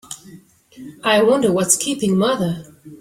I wonder what's keeping mother?